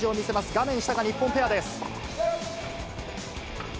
画面下が日本ペアです。